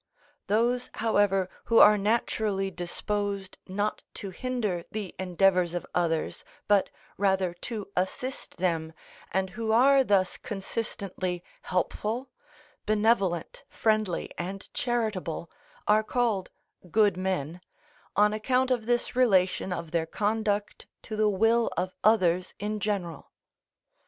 Those, however, who are naturally disposed not to hinder the endeavours of others, but rather to assist them, and who are thus consistently helpful, benevolent, friendly, and charitable, are called good men, on account of this relation of their conduct to the will of others in general.